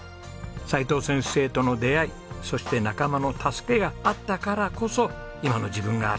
齋藤先生との出会いそして仲間の助けがあったからこそ今の自分がある。